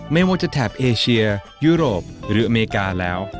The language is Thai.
ไม่ว่าจะแถบเอเชียยุโรปหรืออเมริกาแล้ว